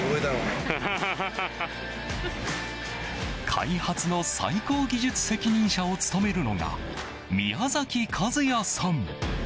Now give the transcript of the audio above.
開発の最高技術責任者を務めるのが宮崎和也さん。